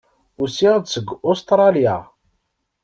Usiɣ-d seg Ustṛalya.